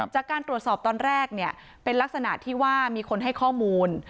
จากการตรวจสอบตอนแรกเนี่ยเป็นลักษณะที่ว่ามีคนให้ข้อมูล